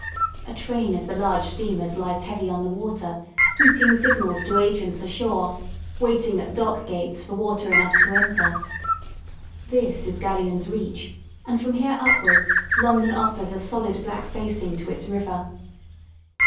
A train of the large steamers lies heavy on the water, hooting signals to agents ashore, waiting at the dock gates for water enough to enter. This is Gallions Reach, and from here upwards London offers a solid black facing to its river.